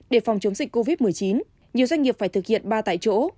để phòng chống dịch covid một mươi chín nhiều doanh nghiệp phải thực hiện ba tại chỗ